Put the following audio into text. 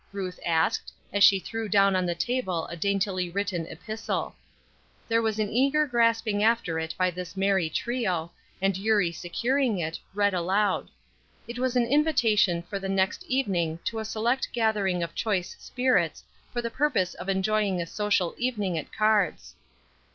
Ruth asked, as she threw down on the table a daintily written epistle. There was an eager grasping after it by this merry trio, and Eurie securing it, read aloud. It was an invitation for the next evening to a select gathering of choice spirits for the purpose of enjoying a social evening at cards.